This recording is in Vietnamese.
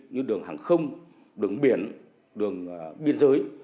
như đường hàng không đường biển đường biên giới